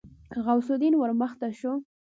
غوث الدين ورمخته شو.